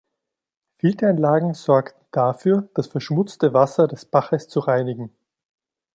Filteranlagen sorgten dafür, das verschmutzte Wasser des Baches zu reinigen.